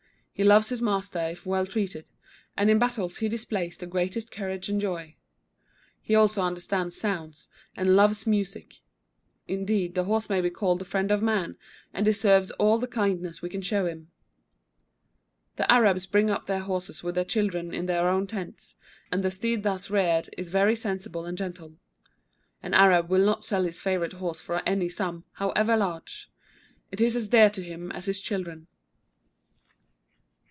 He loves his master if well treated; and in battles he displays the greatest courage and joy. He also understands sounds, and loves music. Indeed, the horse may be called the friend of man, and deserves all the kindness we can show him. The Arabs bring up their horses with their children in their own tents; and the steed thus reared is very sensible and gentle. An Arab will not sell his favourite horse for any sum, however large: it is as dear to him as his children.